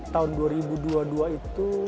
tahun dua ribu dua puluh dua itu